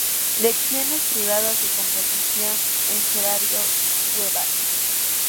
Lecciones privadas de composición con Gerardo Guevara.